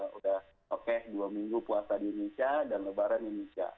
sudah oke dua minggu puasa di indonesia dan lebaran di indonesia